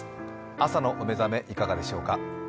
朝のお目覚め、いかがでしょうか。